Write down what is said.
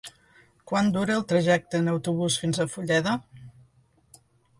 Quant dura el trajecte en autobús fins a Fulleda?